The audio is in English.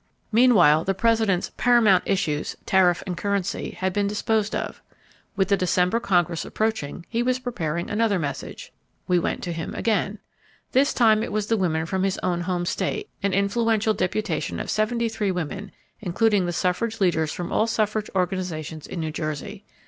Meanwhile the President's "paramount issues"—tariff and currency—had been disposed of. With the December Congress approaching, he was preparing another message. We went to him again. This time it was the women from his own home state, an influential deputation of seventy three women, including the suffrage leaders from all suffrage organizations in New Jersey.